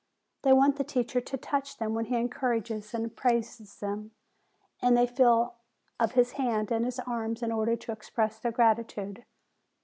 They want the teacher to touch them when he encourages and praises them, and they feel of his hand and his arms in order to express their gratitude.